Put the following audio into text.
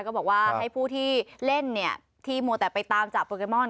ก็บอกว่าให้ผู้ที่เล่นเนี่ยที่มัวแต่ไปตามจับโปเกมอน